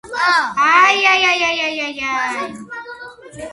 ვახში სეისმურად აქტიურ ზონაშია მოქცეული.